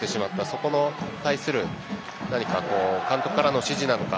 そこに対する監督からの指示なのか